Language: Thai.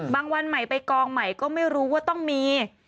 วันใหม่ไปกองใหม่ก็ไม่รู้ว่าต้องมี